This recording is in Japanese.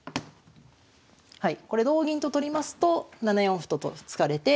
はいこれ同銀と取りますと７四歩と突かれて。